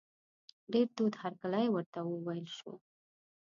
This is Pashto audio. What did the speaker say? ډېر تود هرکلی ورته وویل شو.